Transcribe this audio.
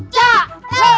cak selamat iya